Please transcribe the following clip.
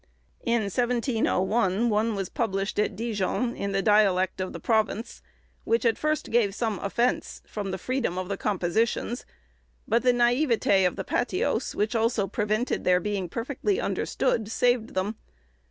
In 1701, one was published at Dijon, in the dialect of the province, which at first gave some offence, from the freedom of the compositions; but the naïveté of the patois, which also prevented their being perfectly understood, saved them.